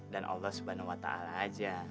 dan allah swt aja